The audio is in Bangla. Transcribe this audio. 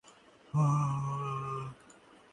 পরদিন আমরা তাঁহার দেহে অগ্নিসংযোগ করিলাম।